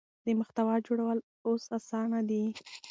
د محتوا جوړول اوس اسانه دي.